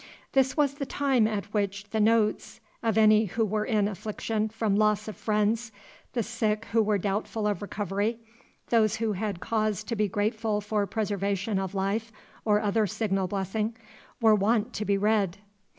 This was the time at which the "notes" of any who were in affliction from loss of friends, the sick who were doubtful of recovery, those who had cause to be grateful for preservation of life or other signal blessing, were wont to be read.